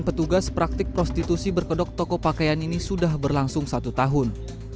petugas praktik prostitusi berkedok toko pakaian ini sudah berlangsung satu tahun